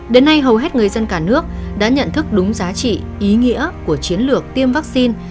đến nay hầu hết người dân cả nước đã nhận thức đúng giá trị ý nghĩa của chiến lược tiêm vaccine